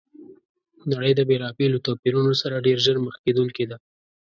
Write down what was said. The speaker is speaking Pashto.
نړۍ د بېلابېلو توپیرونو سره ډېر ژر مخ کېدونکي ده!